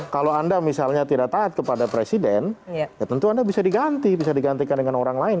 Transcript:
kalau anda misalnya tidak taat kepada presiden ya tentu anda bisa diganti bisa digantikan dengan orang lain